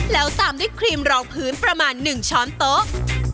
แล้วตามด้วยครีมรองพื้นประมาณ๑ช้อนโต๊ะ